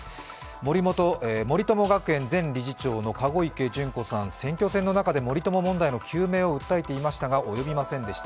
森友学園前理事長の籠池諄子さん、選挙戦の中で森友問題の究明を訴えていましたが、及びませんでした。